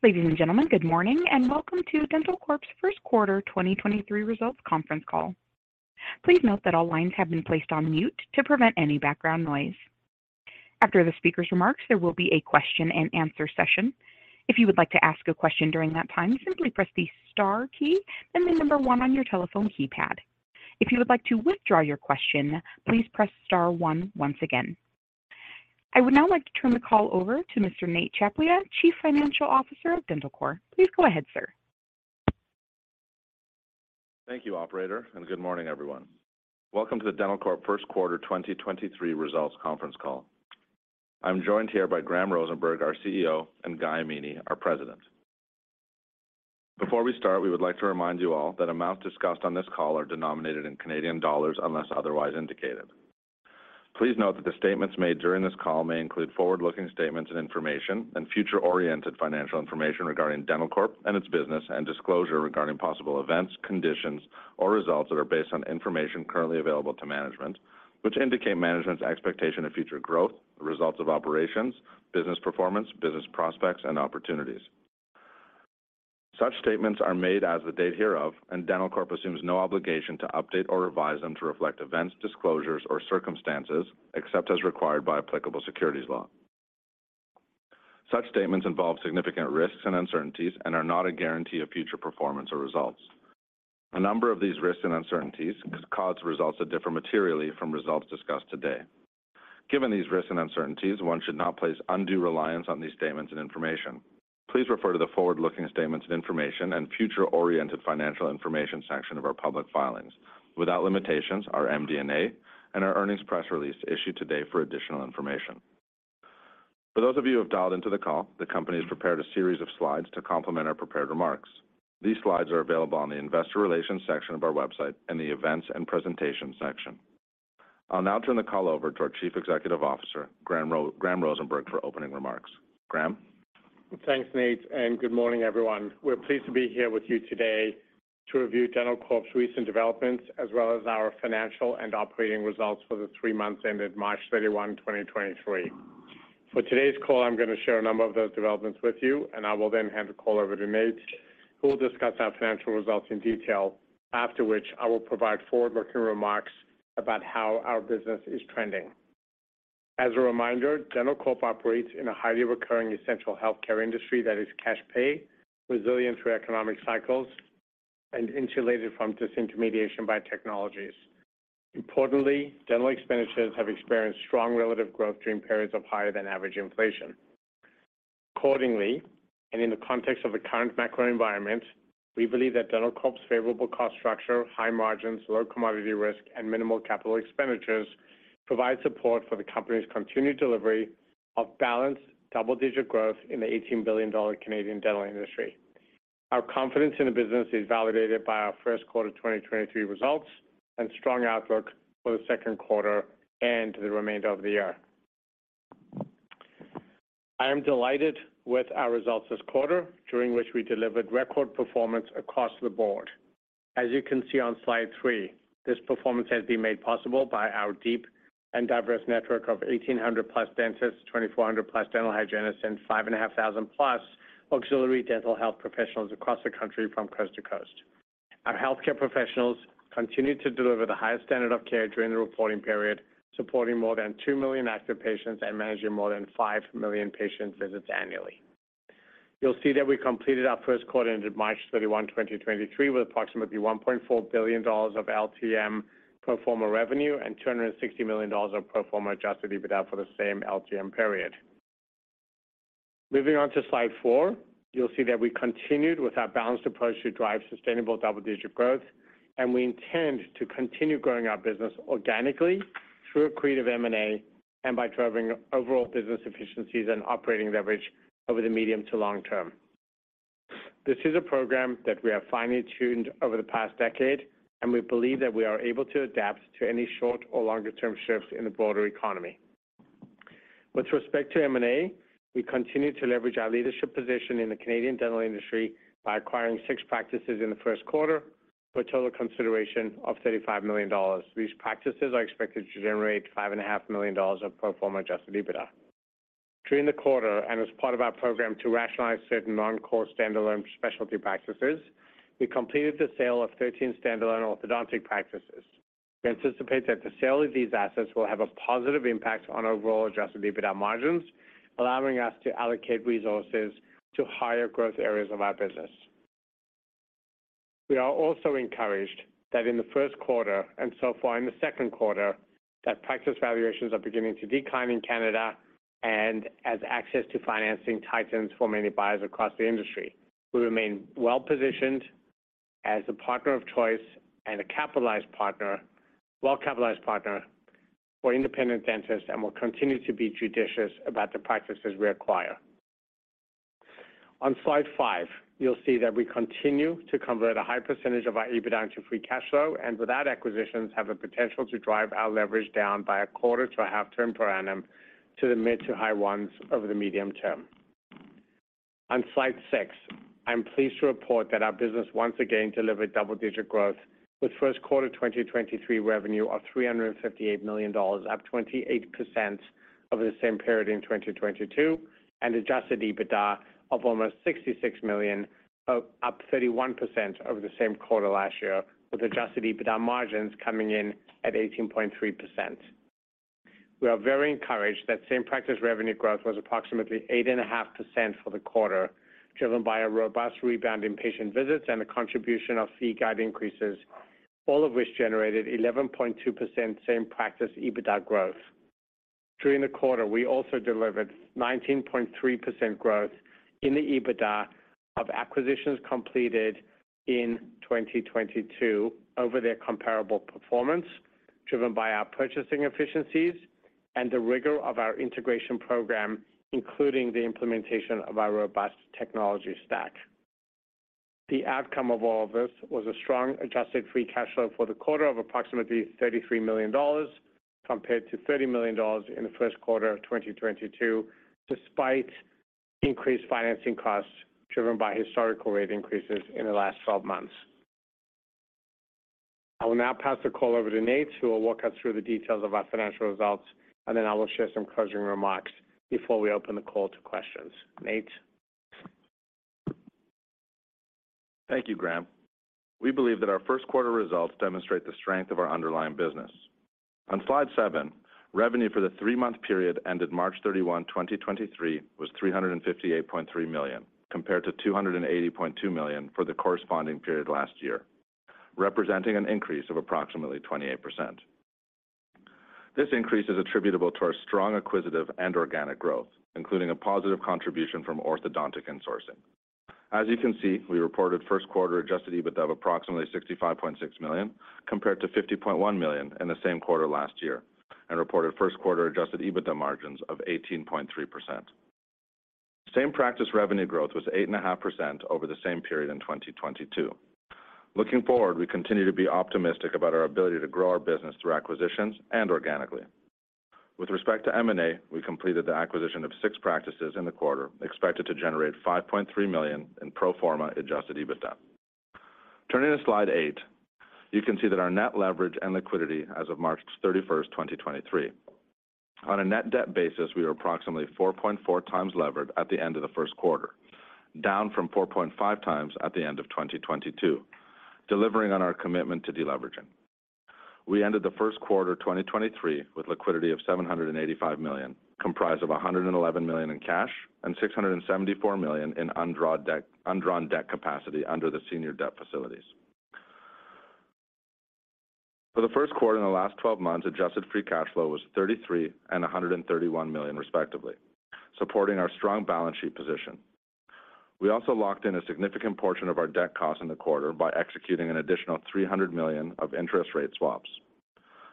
Ladies and gentlemen, good morning, welcome to dentalcorp's first quarter 2023 results conference call. Please note that all lines have been placed on mute to prevent any background noise. After the speaker's remarks, there will be a question-and-answer session. If you would like to ask a question during that time, simply press the star key, then the one on your telephone keypad. If you would like to withdraw your question, please press star one once again. I would now like to turn the call over to Mr. Nate Tchaplia, Chief Financial Officer of dentalcorp. Please go ahead, sir. Thank you, operator. Good morning, everyone. Welcome to the dentalcorp first quarter 2023 results conference call. I'm joined here by Graham Rosenberg, our CEO, and Guy Amini, our President. Before we start, we would like to remind you all that amounts discussed on this call are denominated in Canadian dollars, unless otherwise indicated. Please note that the statements made during this call may include forward-looking statements and information and future-oriented financial information regarding dentalcorp and its business, and disclosure regarding possible events, conditions, or results that are based on information currently available to management, which indicate management's expectation of future growth, the results of operations, business performance, business prospects, and opportunities. Such statements are made as the date hereof. dentalcorp assumes no obligation to update or revise them to reflect events, disclosures, or circumstances, except as required by applicable securities law. Such statements involve significant risks and uncertainties and are not a guarantee of future performance or results. A number of these risks and uncertainties could cause results that differ materially from results discussed today. Given these risks and uncertainties, one should not place undue reliance on these statements and information. Please refer to the forward-looking statements and information and future-oriented financial information section of our public filings. Without limitations, our MD&A and our earnings press release issued today for additional information. For those of you who have dialed into the call, the company has prepared a series of slides to complement our prepared remarks. These slides are available on the investor relations section of our website in the Events and Presentation section. I'll now turn the call over to our Chief Executive Officer, Graham Rosenberg, for opening remarks. Graham? Thanks, Nate. Good morning, everyone. We're pleased to be here with you today to review dentalcorp's recent developments, as well as our financial and operating results for the three months ended March 31, 2023. For today's call, I'm gonna share a number of those developments with you, and I will then hand the call over to Nate, who will discuss our financial results in detail. After which, I will provide forward-looking remarks about how our business is trending. As a reminder, dentalcorp operates in a highly recurring essential healthcare industry that is cash-pay, resilient through economic cycles, and insulated from disintermediation by technologies. Importantly, dental expenditures have experienced strong relative growth during periods of higher than average inflation. Accordingly, in the context of the current macro environment, we believe that dentalcorp's favorable cost structure, high margins, low commodity risk, and minimal capital expenditures provide support for the company's continued delivery of balanced double-digit growth in the 18 billion Canadian dollars Canadian dental industry. Our confidence in the business is validated by our first quarter 2023 results and strong outlook for the second quarter and the remainder of the year. I am delighted with our results this quarter, during which we delivered record performance across the board. As you can see on slide three, this performance has been made possible by our deep and diverse network of 1,800+ dentists, 2,400+ dental hygienists, and 5,500+ auxiliary dental health professionals across the country from coast to coast. Our healthcare professionals continued to deliver the highest standard of care during the reporting period, supporting more than 2 million active patients and managing more than 5 million patient visits annually. You'll see that we completed our first quarter ended March 31, 2023, with approximately 1.4 billion dollars of LTM pro forma revenue and 260 million dollars of pro forma adjusted EBITDA for the same LTM period. Moving on to slide four, you'll see that we continued with our balanced approach to drive sustainable double-digit growth. We intend to continue growing our business organically through accretive M&A and by driving overall business efficiencies and operating leverage over the medium to long term. This is a program that we have finely tuned over the past decade. We believe that we are able to adapt to any short or longer-term shifts in the broader economy. With respect to M&A, we continue to leverage our leadership position in the Canadian dental industry by acquiring six practices in the first quarter for a total consideration of 35 million dollars. These practices are expected to generate 5.5 million dollars of pro forma adjusted EBITDA. During the quarter, and as part of our program to rationalize certain non-core standalone specialty practices, we completed the sale of 13 standalone orthodontic practices. We anticipate that the sale of these assets will have a positive impact on overall adjusted EBITDA margins, allowing us to allocate resources to higher growth areas of our business. We are also encouraged that in the first quarter, and so far in the second quarter, that practice valuations are beginning to decline in Canada and as access to financing tightens for many buyers across the industry. We remain well-positioned as a partner of choice and a well-capitalized partner for independent dentists and will continue to be judicious about the practices we acquire. On slide five, you'll see that we continue to convert a high percentage of our EBITDA into free cash flow and, without acquisitions, have the potential to drive our leverage down by a quarter to a half term per annum to the mid to high ones over the medium term. On slide six I'm pleased to report that our business once again delivered double-digit growth with first quarter 2023 revenue of 358 million dollars, up 28% over the same period in 2022, and adjusted EBITDA of almost 66 million, up 31% over the same quarter last year, with adjusted EBITDA margins coming in at 18.3%. We are very encouraged that Same Practice Revenue Growth was approximately 8.5% for the quarter, driven by a robust rebound in patient visits and a contribution of fee guide increases, all of which generated 11.2% same practice EBITDA growth. During the quarter, we also delivered 19.3% growth in the EBITDA of acquisitions completed in 2022 over their comparable performance, driven by our purchasing efficiencies and the rigor of our integration program, including the implementation of our robust technology stack. The outcome of all of this was a strong adjusted free cash flow for the quarter of approximately 33 million dollars compared to 30 million dollars in the first quarter of 2022, despite increased financing costs driven by historical rate increases in the last 12 months. I will now pass the call over to Nate, who will walk us through the details of our financial results, and then I will share some closing remarks before we open the call to questions. Nate. Thank you, Graham. We believe that our first quarter results demonstrate the strength of our underlying business. On slide seven, revenue for the three-month period ended March 31, 2023, was 358.3 million, compared to 280.2 million for the corresponding period last year, representing an increase of approximately 28%. This increase is attributable to our strong acquisitive and organic growth, including a positive contribution from orthodontic insourcing. As you can see, we reported first quarter adjusted EBITDA of approximately CAD 65.6 million, compared to CAD 50.1 million in the same quarter last year, and reported first quarter adjusted EBITDA margins of 18.3%. Same Practice Revenue Growth was 8.5% over the same period in 2022. Looking forward, we continue to be optimistic about our ability to grow our business through acquisitions and organically. With respect to M&A, we completed the acquisition of six practices in the quarter, expected to generate 5.3 million in pro forma adjusted EBITDA. Turning to slide eight, you can see that our net leverage and liquidity as of March 31, 2023. On a net debt basis, we are approximately 4.4x levered at the end of the first quarter, down from 4.5 at the end of 2022, delivering on our commitment to deleveraging. We ended the first quarter 2023 with liquidity of 785 million, comprised of 111 million in cash and 674 million in undrawn debt capacity under the senior debt facilities. For the first quarter in the last 12 months, adjusted free cash flow was 33 million and 131 million, respectively, supporting our strong balance sheet position. We also locked in a significant portion of our debt cost in the quarter by executing an additional 300 million of interest rate swaps.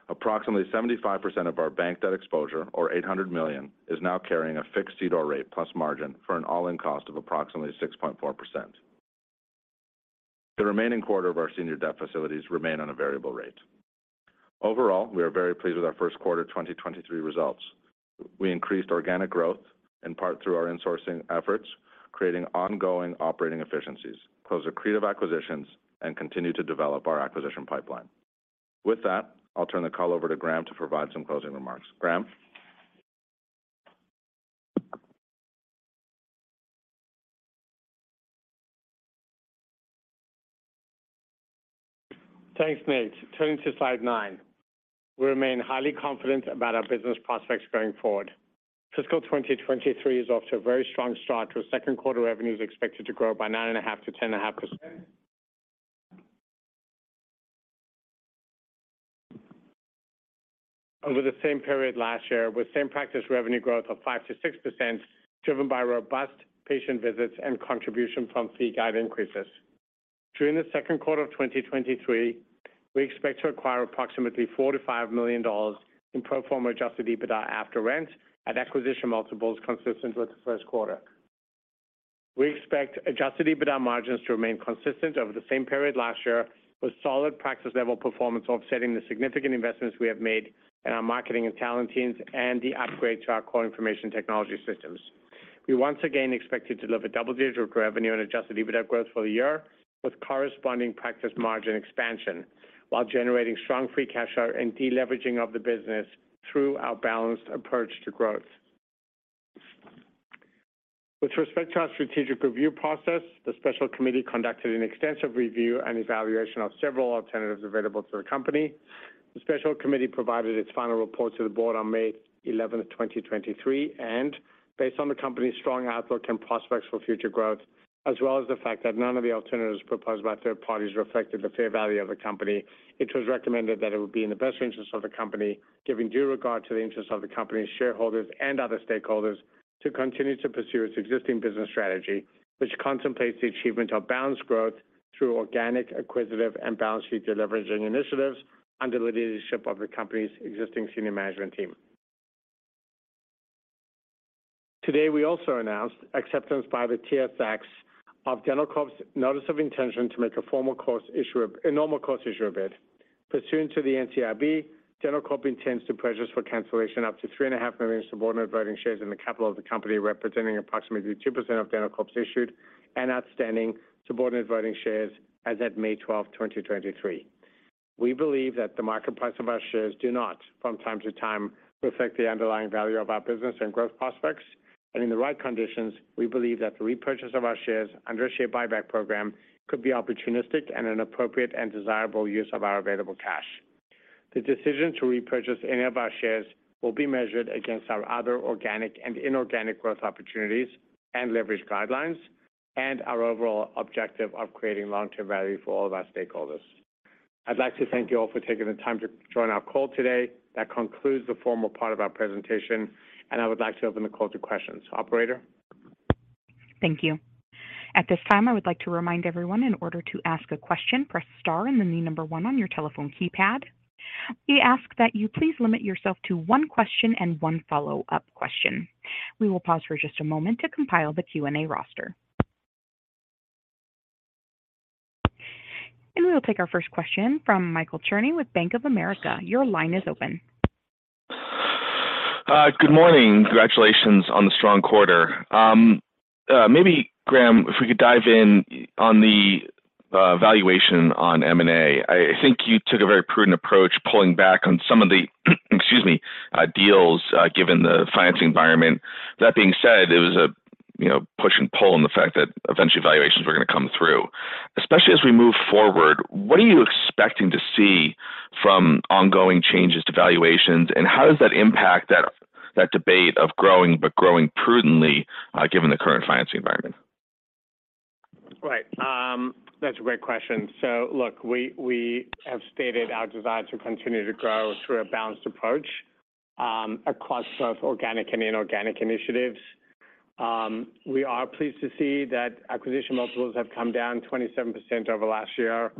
Approximately 75% of our bank debt exposure, or 800 million, is now carrying a fixed CDOR rate plus margin for an all-in cost of approximately 6.4%. The remaining quarter of our senior debt facilities remain on a variable rate. Overall, we are very pleased with our first quarter 2023 results. We increased organic growth, in part through our insourcing efforts, creating ongoing operating efficiencies, closed accretive acquisitions, and continued to develop our acquisition pipeline. I'll turn the call over to Graham to provide some closing remarks. Graham. Thanks, Nate. Turning to slide nine. We remain highly confident about our business prospects going forward. Fiscal 2023 is off to a very strong start, with second quarter revenues expected to grow by 9.5%-10.5% over the same period last year, with Same Practice Revenue Growth of 5%-6% driven by robust patient visits and contribution from fee guide increases. During the second quarter of 2023, we expect to acquire approximately 4 million-5 million dollars in pro forma adjusted EBITDA after rent at acquisition multiples consistent with the first quarter. We expect adjusted EBITDA margins to remain consistent over the same period last year, with solid practice level performance offsetting the significant investments we have made in our marketing and talent teams and the upgrade to our core information technology systems. We once again expect to deliver double-digit revenue and adjusted EBITDA growth for the year, with corresponding practice margin expansion while generating strong free cash flow and deleveraging of the business through our balanced approach to growth. With respect to our strategic review process, the special committee conducted an extensive review and evaluation of several alternatives available to the company. The special committee provided its final report to the board on May 11th, 2023, and based on the company's strong outlook and prospects for future growth, as well as the fact that none of the alternatives proposed by third parties reflected the fair value of the company, it was recommended that it would be in the best interest of the company, giving due regard to the interest of the company's shareholders and other stakeholders, to continue to pursue its existing business strategy, which contemplates the achievement of balanced growth through organic, acquisitive, and balance sheet deleveraging initiatives under the leadership of the company's existing senior management team. Today, we also announced acceptance by the TSX of dentalcorp's notice of intention to make a normal course issuer bid. Pursuant to the NCIB, dentalcorp intends to purchase for cancellation up to 3.5 million subordinate voting shares in the capital of the company, representing approximately 2% of dentalcorp's issued and outstanding subordinate voting shares as at May 12, 2023. We believe that the market price of our shares do not, from time to time, reflect the underlying value of our business and growth prospects. In the right conditions, we believe that the repurchase of our shares under a share buyback program could be opportunistic and an appropriate and desirable use of our available cash. The decision to repurchase any of our shares will be measured against our other organic and inorganic growth opportunities and leverage guidelines and our overall objective of creating long-term value for all of our stakeholders. I'd like to thank you all for taking the time to join our call today. That concludes the formal part of our presentation, and I would like to open the call to questions. Operator? Thank you. At this time, I would like to remind everyone in order to ask a question, press star and the number one on your telephone keypad. We ask that you please limit yourself to 1 question and 1 follow-up question. We will pause for just a moment to compile the Q&A roster. We will take our first question from Michael Cherny with Bank of America. Your line is open. Good morning. Congratulations on the strong quarter. Maybe Graham, if we could dive in on the valuation on M&A. I think you took a very prudent approach, pulling back on some of the deals, given the financing environment. That being said, it was a, you know, push and pull in the fact that eventually valuations were gonna come through. Especially as we move forward, what are you expecting to see from ongoing changes to valuations, and how does that impact that debate of growing but growing prudently, given the current financing environment? Right. That's a great question. Look, we have stated our desire to continue to grow through a balanced approach across both organic and inorganic initiatives. We are pleased to see that acquisition multiples have come down 27% over last year.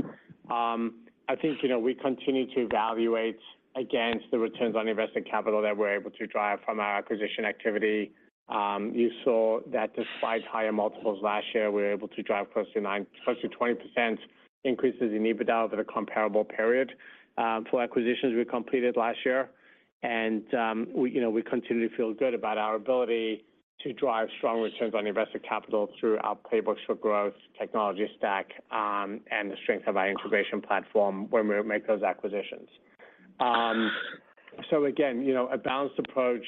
I think, you know, we continue to evaluate against the returns on invested capital that we're able to drive from our acquisition activity. You saw that despite higher multiples last year, we were able to drive close to 20% increases in EBITDA over the comparable period for acquisitions we completed last year. We, you know, we continue to feel good about our ability to drive strong returns on invested capital through our playbooks for growth, technology stack, and the strength of our integration platform when we make those acquisitions. Again, you know, a balanced approach,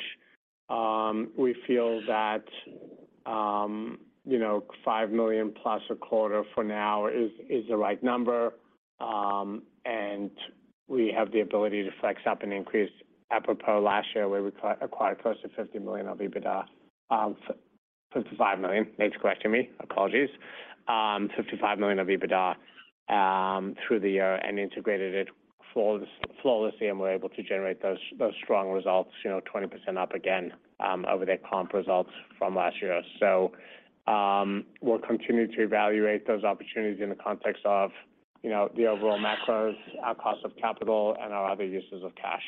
we feel that, you know, 5 million plus a quarter for now is the right number. We have the ability to flex up and increase. Apropos last year, where we acquired close to 50 million of EBITDA. 55 million. Nate's correcting me. Apologies. 55 million of EBITDA through the year and integrated it flawlessly, and we're able to generate those strong results, you know, 20% up again, over their comp results from last year. We'll continue to evaluate those opportunities in the context of, you know, the overall macros, our cost of capital, and our other uses of cash.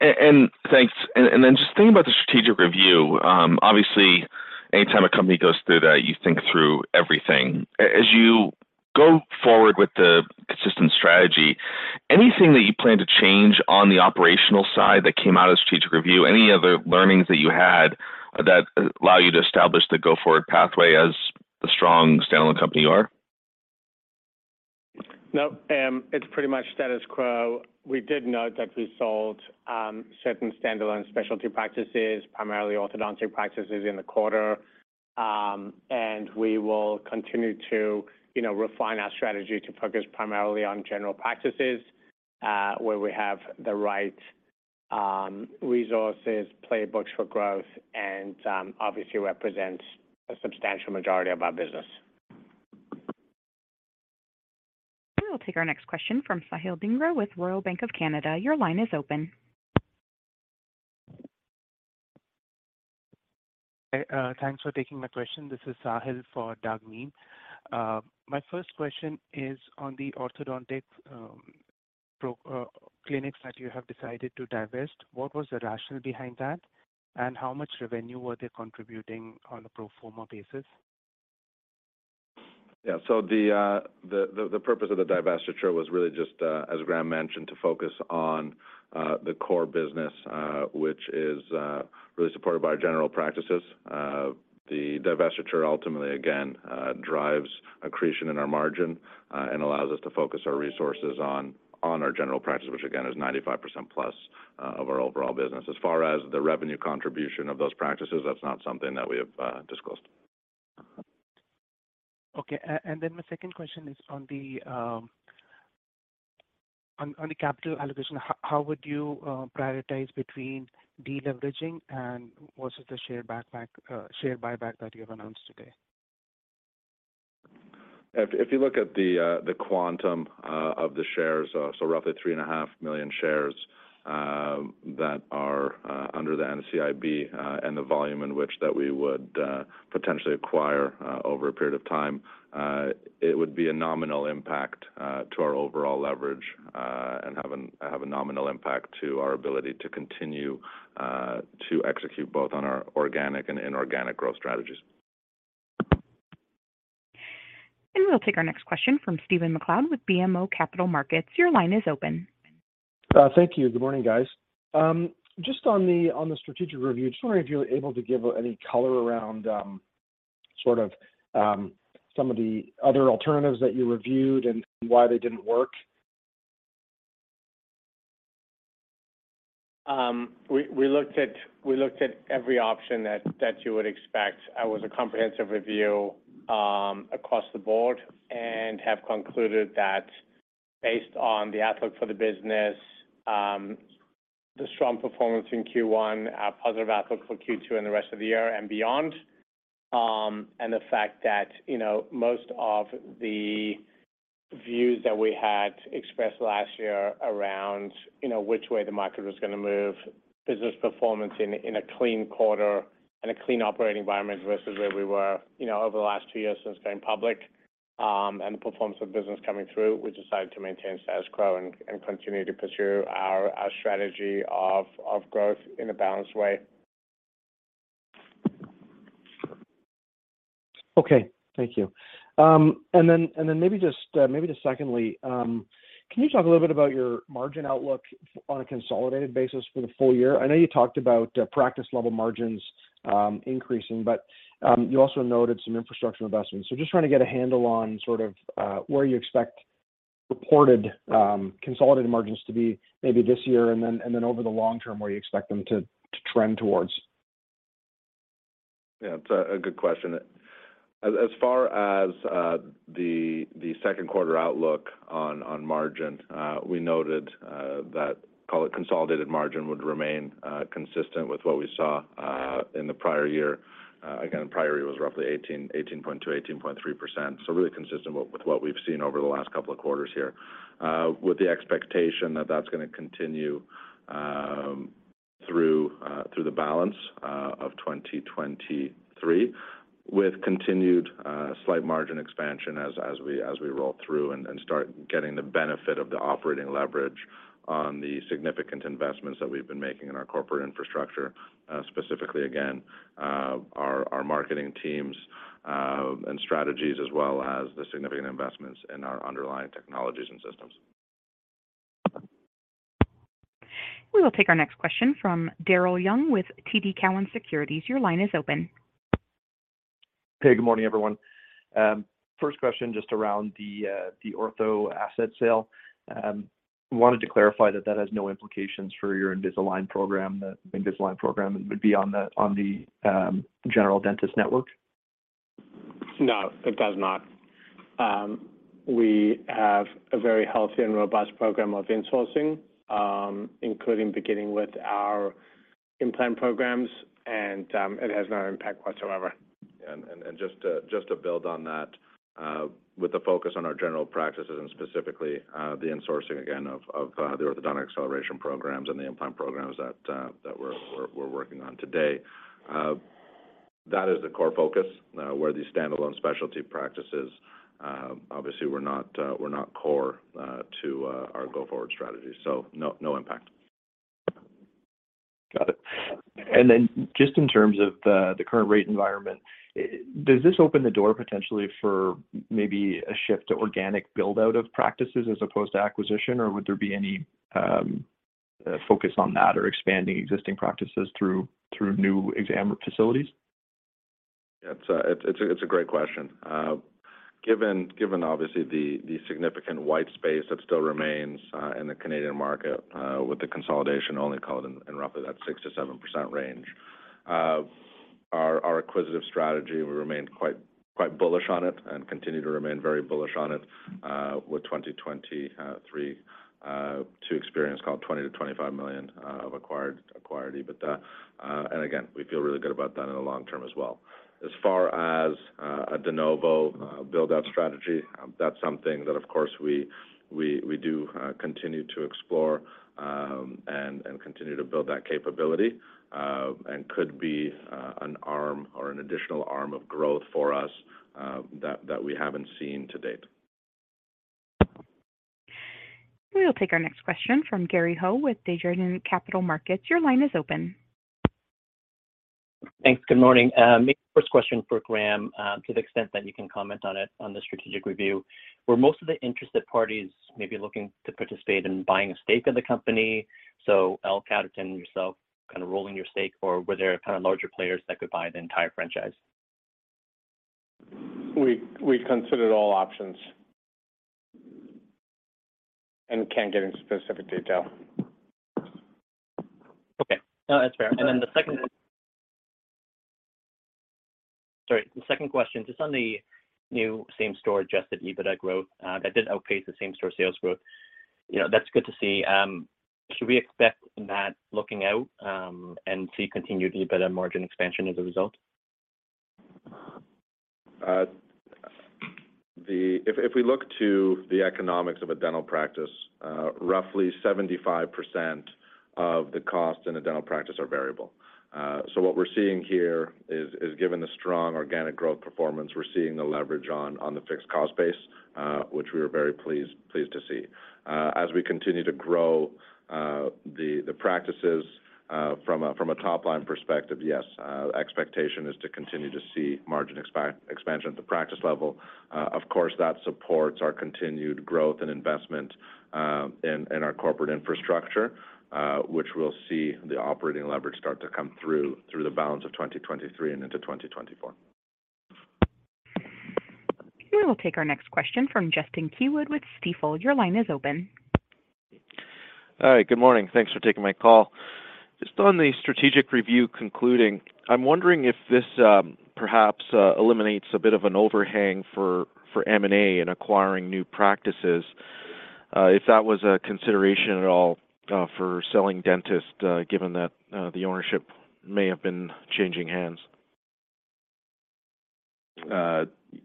Thanks. Then just thinking about the strategic review, obviously, anytime a company goes through that, you think through everything. As you go forward with the consistent strategy, anything that you plan to change on the operational side that came out of strategic review, any other learnings that you had that allow you to establish the go-forward pathway as the strong standalone company you are? No, it's pretty much status quo. We did note that we sold, certain standalone specialty practices, primarily orthodontic practices in the quarter. We will continue to, you know, refine our strategy to focus primarily on general practices, where we have the right, resources, playbooks for growth, and, obviously represents a substantial majority of our business. We will take our next question from Sahil Dhingra with Royal Bank of Canada. Your line is open. Thanks for taking my question. This is Sahil for Doug Miehm. My first question is on the orthodontic clinics that you have decided to divest. What was the rationale behind that, and how much revenue were they contributing on a pro forma basis? The purpose of the divestiture was really just as Graham mentioned, to focus on the core business, which is really supported by our general practices. The divestiture ultimately, again, drives accretion in our margin, and allows us to focus our resources on our general practice, which again is 95%+ of our overall business. As far as the revenue contribution of those practices, that's not something that we have disclosed. Okay. My second question is on the capital allocation. How would you prioritize between deleveraging and versus the share backpack, share buyback that you have announced today? If you look at the quantum of the shares, so roughly 3.5 million shares, that are under the NCIB, and the volume in which that we would potentially acquire over a period of time, it would be a nominal impact to our overall leverage, and have a nominal impact to our ability to continue to execute both on our organic and inorganic growth strategies. We'll take our next question from Stephen MacLeod with BMO Capital Markets. Your line is open. Thank you. Good morning, guys. Just on the, on the strategic review, just wondering if you're able to give any color around, sort of, some of the other alternatives that you reviewed and why they didn't work? We looked at every option that you would expect. It was a comprehensive review across the board and have concluded that based on the outlook for the business, the strong performance in Q1, our positive outlook for Q2 and the rest of the year and beyond, and the fact that, you know, most of the views that we had expressed last year around, you know, which way the market was gonna move, business performance in a clean quarter and a clean operating environment versus where we were, you know, over the last two years since going public, and the performance of business coming through, we decided to maintain status quo and continue to pursue our strategy of growth in a balanced way. Okay. Thank you. Maybe just secondly, can you talk a little bit about your margin outlook on a consolidated basis for the full year? I know you talked about practice level margins increasing, but you also noted some infrastructure investments. Just trying to get a handle on sort of where you expect reported consolidated margins to be maybe this year and then over the long term, where you expect them to trend towards. It's a good question. As far as the second quarter outlook on margin, we noted that call it consolidated margin would remain consistent with what we saw in the prior year. Again, prior year was roughly 18.2%, 18.3%. Really consistent with what we've seen over the last couple of quarters here, with the expectation that that's gonna continue through the balance of 2023 with continued slight margin expansion as we roll through and start getting the benefit of the operating leverage on the significant investments that we've been making in our corporate infrastructure, specifically again, our marketing teams and strategies as well as the significant investments in our underlying technologies and systems. We will take our next question from Daryl Young with TD Cowen. Your line is open. Hey, good morning, everyone. First question just around the ortho asset sale. Wanted to clarify that that has no implications for your Invisalign program. The Invisalign program would be on the general dentist network. No, it does not. We have a very healthy and robust program of insourcing, including beginning with our implant programs, and it has no impact whatsoever. Just to build on that, with the focus on our general practices and specifically, the insourcing again of the Orthodontic Acceleration Programs and the implant programs that we're working on today, that is the core focus, where these standalone specialty practices obviously were not core to our go-forward strategy. No, no impact. Got it. Just in terms of the current rate environment, does this open the door potentially for maybe a shift to organic build-out of practices as opposed to acquisition, or would there be any focus on that or expanding existing practices through new exam facilities? It's a great question. Given obviously the significant wide space that still remains in the Canadian market, with the consolidation only call it in roughly that 6%-7% range, our acquisitive strategy, we remain quite bullish on it and continue to remain very bullish on it, with 2023 to experience call it 20 million-25 million of acquired EBITDA. Again, we feel really good about that in the long term as well. As far as a de novo build-out strategy, that's something that of course we do continue to explore and continue to build that capability and could be an arm or an additional arm of growth for us that we haven't seen to date. We'll take our next question from Gary Ho with Desjardins Capital Markets. Your line is open. Thanks. Good morning. Maybe first question for Graham, to the extent that you can comment on it on the strategic review. Were most of the interested parties maybe looking to participate in buying a stake in the company, so L Catterton and yourself kinda rolling your stake, or were there kind of larger players that could buy the entire franchise? We considered all options and can't get into specific detail. Okay. No, that's fair. Go ahead. The second question, just on the new same-store adjusted EBITDA growth, that did outpace the same-store sales growth. You know, that's good to see. Should we expect that looking out, and see continued EBITDA margin expansion as a result? If we look to the economics of a dental practice, roughly 75%. Of the cost in a dental practice are variable. What we're seeing here is, given the strong organic growth performance, we're seeing the leverage on the fixed cost base, which we are very pleased to see. As we continue to grow the practices from a top-line perspective, yes, expectation is to continue to see margin expansion at the practice level. Of course, that supports our continued growth and investment in our corporate infrastructure, which we'll see the operating leverage start to come through the balance of 2023 and yinto 2024. We will take our next question from Justin Keywood with Stifel. Your line is open. Hi. Good morning. Thanks for taking my call. Just on the strategic review concluding, I'm wondering if this, perhaps, eliminates a bit of an overhang for M&A in acquiring new practices, if that was a consideration at all, for selling dentists, given that the ownership may have been changing hands?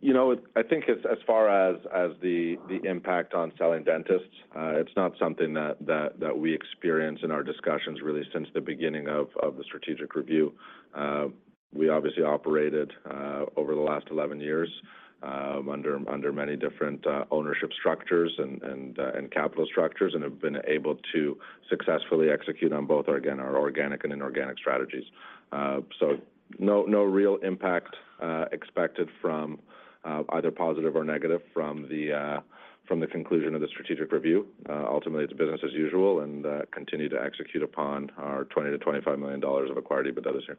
you know, I think as far as the impact on selling dentists, it's not something that we experienced in our discussions really since the beginning of the strategic review. We obviously operated over the last 11 years under many different ownership structures and capital structures and have been able to successfully execute on both our, again, our organic and inorganic strategies. No real impact expected from either positive or negative from the conclusion of the strategic review. Ultimately, it's business as usual and continue to execute upon our 20 million-25 million dollars of acquired EBITDA this year.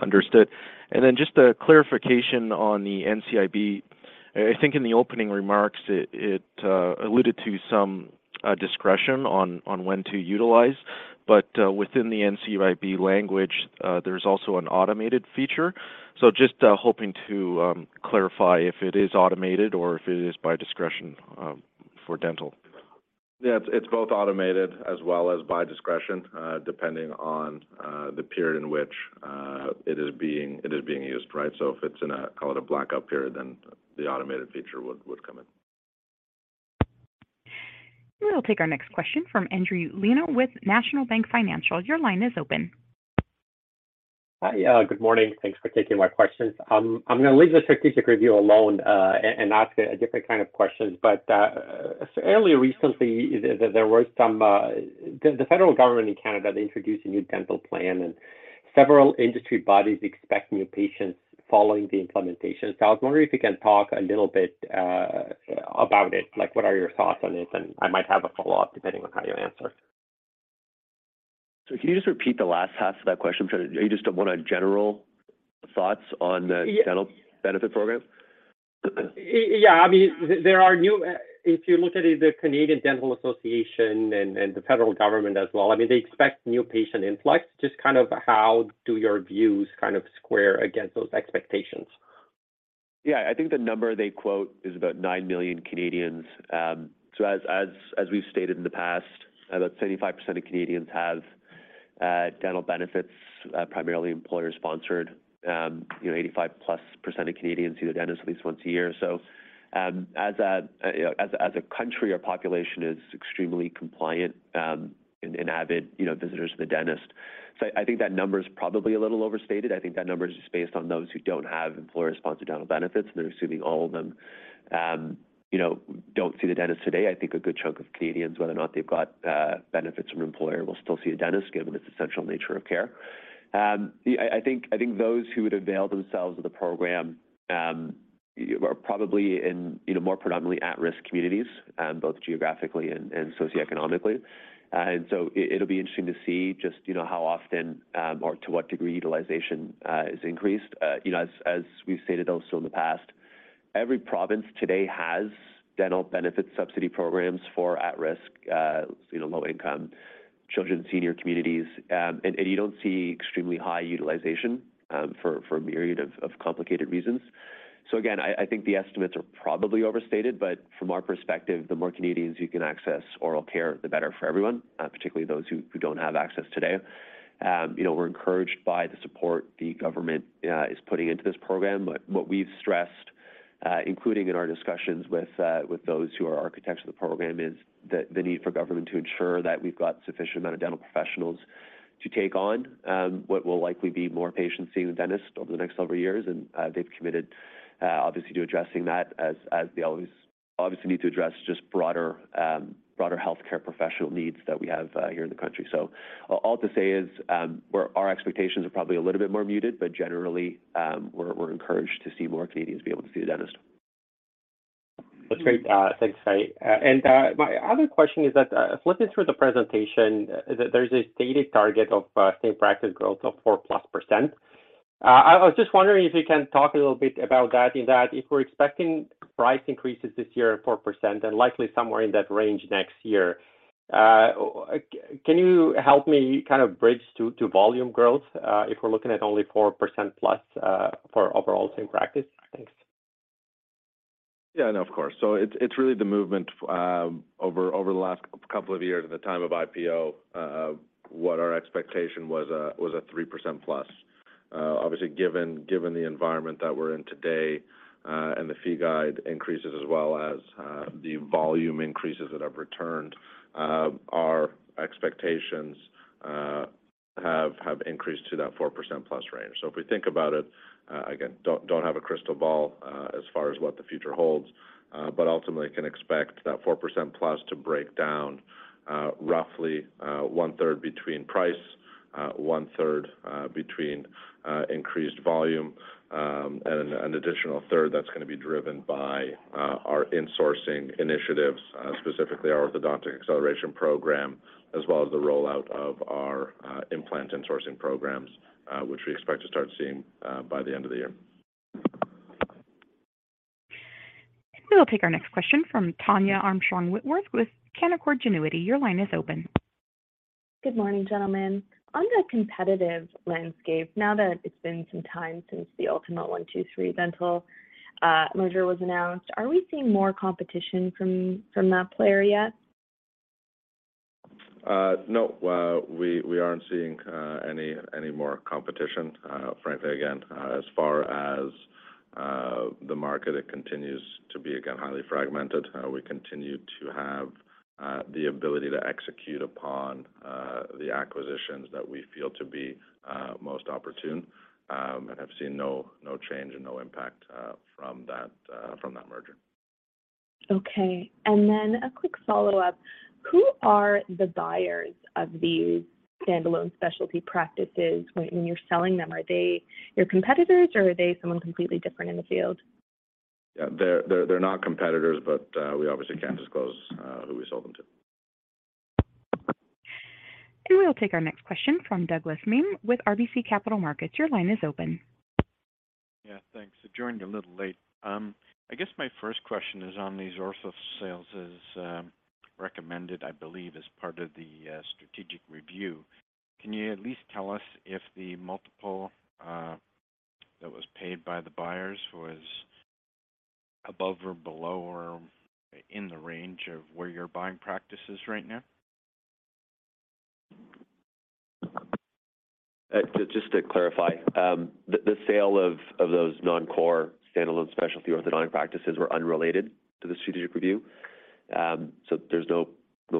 Understood. Then just a clarification on the NCIB. I think in the opening remarks, it alluded to some discretion on when to utilize. Within the NCIB language, there's also an automated feature. Just hoping to clarify if it is automated or if it is by discretion for dental. Yeah. It's both automated as well as by discretion, depending on the period in which it is being used, right? If it's in a, call it a blackout period, then the automated feature would come in. We will take our next question from Endri Leno with National Bank Financial. Your line is open. Hi. Good morning. Thanks for taking my questions. I'm gonna leave the strategic review alone and ask a different kind of question. Earlier recently, there were some. The federal government in Canada, they introduced a new dental plan, and several industry bodies expect new patients following the implementation. I was wondering if you can talk a little bit about it, like what are your thoughts on this? I might have a follow-up depending on how you answer. Can you just repeat the last half of that question? You just want a general thoughts on? Yeah dental benefit program? Yeah. I mean, if you look at it, the Canadian Dental Association and the federal government as well, I mean, they expect new patient influx. Just kind of how do your views kind of square against those expectations? I think the number they quote is about 9 million Canadians. As we've stated in the past, about 75% of Canadians have dental benefits, primarily employer-sponsored. You know, 85%+ of Canadians see a dentist at least once a year. As a country, our population is extremely compliant and avid, you know, visitors to the dentist. I think that number is probably a little overstated. I think that number is just based on those who don't have employer-sponsored dental benefits, and they're assuming all of them, you know, don't see the dentist today. I think a good chunk of Canadians, whether or not they've got benefits from employer, will still see a dentist given its essential nature of care. Yeah, I think those who would avail themselves of the program are probably in, you know, more predominantly at-risk communities, both geographically and socioeconomically. It'll be interesting to see just, you know, how often or to what degree utilization is increased. You know, as we've stated also in the past, every province today has dental benefit subsidy programs for at-risk, you know, low-income children, senior communities. And you don't see extremely high utilization for a myriad of complicated reasons. Again, I think the estimates are probably overstated, but from our perspective, the more Canadians who can access oral care, the better for everyone, particularly those who don't have access today. You know, we're encouraged by the support the government is putting into this program. What we've stressed, including in our discussions with those who are architects of the program, is the need for government to ensure that we've got sufficient amount of dental professionals to take on what will likely be more patients seeing the dentist over the next several years. They've committed obviously to addressing that as they always obviously need to address just broader healthcare professional needs that we have here in the country. All to say is our expectations are probably a little bit more muted, but generally, we're encouraged to see more Canadians be able to see a dentist. That's great. Thanks, Guy. My other question is that flipping through the presentation, there's a stated target of same practice growth of 4%+. I was just wondering if you can talk a little bit about that, in that if we're expecting price increases this year of 4% and likely somewhere in that range next year, can you help me kind of bridge to volume growth, if we're looking at only 4%+ for overall same practice? Thanks. Yeah, no, of course. It's really the movement, over the last couple of years at the time of IPO, what our expectation was a 3%+. Obviously given the environment that we're in today, and the fee guide increases as well as the volume increases that have returned, our expectations have increased to that 4%+ range. If we think about it, again, don't have a crystal ball as far as what the future holds, but ultimately can expect that 4%+ to break down roughly one-third between price, one-third between increased volume, and an additional third that's gonna be driven by our insourcing initiatives, specifically our Orthodontic Acceleration Program, as well as the rollout of our implant insourcing programs, which we expect to start seeing by the end of the year. We will take our next question from Tania Gonsalves with Canaccord Genuity. Your line is open. Good morning, gentlemen. On the competitive landscape, now that it's been some time since the 123Dental merger was announced, are we seeing more competition from that player yet? No, we aren't seeing any more competition. Frankly, again, as far as the market, it continues to be again, highly fragmented. We continue to have the ability to execute upon the acquisitions that we feel to be most opportune, and have seen no change and no impact from that merger. Okay. A quick follow-up. Who are the buyers of these standalone specialty practices when you're selling them? Are they your competitors or are they someone completely different in the field? Yeah, they're not competitors, but we obviously can't disclose who we sold them to. We'll take our next question from Douglas Miehm with RBC Capital Markets. Your line is open. Yeah, thanks. I joined a little late. I guess my first question is on these orthos sales as recommended, I believe, as part of the strategic review. Can you at least tell us if the multiple that was paid by the buyers was above or below or in the range of where you're buying practices right now? Just to clarify, the sale of those non-core standalone specialty orthodontic practices were unrelated to the strategic review. There's no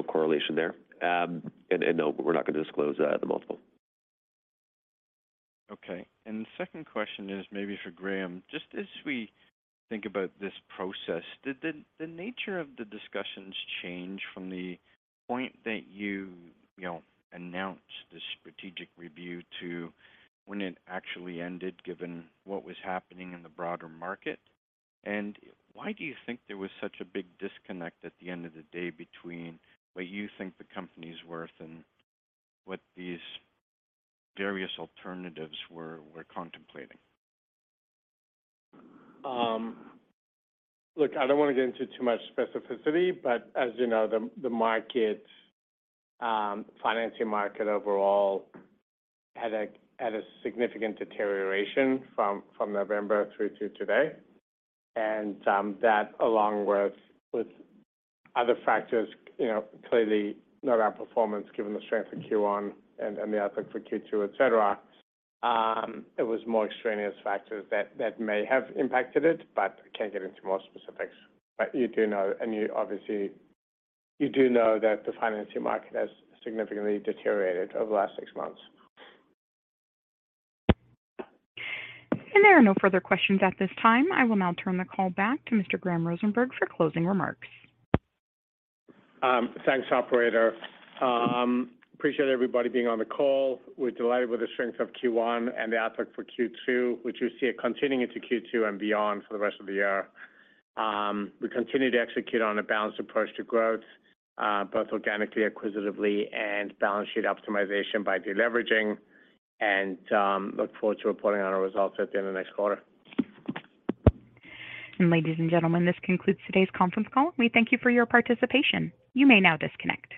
correlation there. No, we're not gonna disclose the multiple. Okay. The second question is maybe for Graham. Just as we think about this process, did the nature of the discussions change from the point that you know, announced this strategic review to when it actually ended, given what was happening in the broader market? Why do you think there was such a big disconnect at the end of the day between what you think the company's worth and what these various alternatives were contemplating? Look, I don't wanna get into too much specificity, but as you know, the market, financing market overall had a significant deterioration from November through to today. That along with other factors, you know, clearly not our performance, given the strength of Q1 and the outlook for Q2, et cetera, it was more extraneous factors that may have impacted it, but I can't get into more specifics. You do know that the financing market has significantly deteriorated over the last six months. There are no further questions at this time. I will now turn the call back to Mr. Graham Rosenberg for closing remarks. Thanks, operator. Appreciate everybody being on the call. We're delighted with the strength of Q1 and the outlook for Q2, which we see continuing into Q2 and beyond for the rest of the year. We continue to execute on a balanced approach to growth, both organically, acquisitively, and balance sheet optimization by deleveraging, and look forward to reporting on our results at the end of next quarter. Ladies and gentlemen, this concludes today's conference call. We thank you for your participation. You may now disconnect.